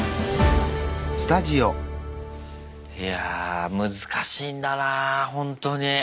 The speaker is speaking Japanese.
いやぁ難しいんだなほんとに。